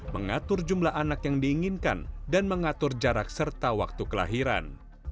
mengatur jumlah anak yang diinginkan dan mengatur jarak serta waktu kelahiran